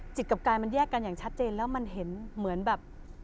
กับกายมันแยกกันอย่างชัดเจนแล้วมันเห็นเหมือนแบบ